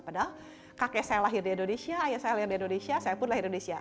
padahal kakek saya lahir di indonesia ayah saya lahir di indonesia saya pun lahir indonesia